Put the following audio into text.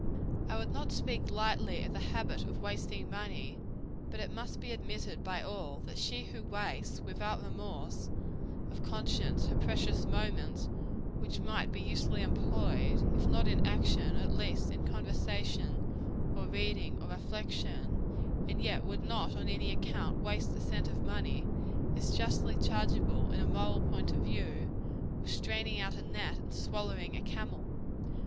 I would not speak lightly of the habit of wasting money; but it must be admitted by all, that she who wastes, without remorse of conscience, her precious moments which might be usefully employed if not in action, at least in conversation, or reading, or reflection and yet would not, on any account, waste a cent of money, is justly chargeable, in a moral point of view, with straining out a gnat, and swallowing a camel.